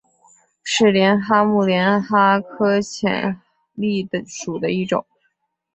是帘蛤目帘蛤科浅蜊属的一种。